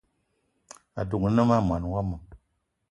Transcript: Adugna ma mwaní wama